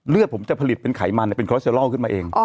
ผมจะผลิตเป็นไขมันเป็นคอสเตอรอลขึ้นมาเอง